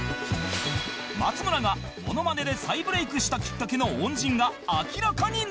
松村がモノマネで再ブレイクしたきっかけの恩人が明らかになる